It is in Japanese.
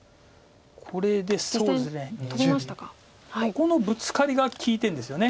ここのブツカリが利いてるんですよね。